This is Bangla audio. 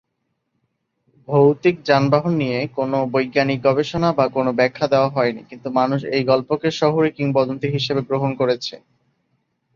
ভৌতিক যানবাহন নিয়ে কোন বৈজ্ঞানিক গবেষণা বা কোন ব্যখ্যা দেওয়া হয়নি কিন্তু মানুষ এই গল্পকে শহুরে কিংবদন্তী হিসেবে গ্রহণ করেছে।